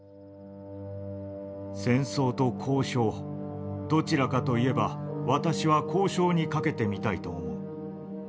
戦争と交渉どちらかといえば私は交渉にかけてみたいと思う。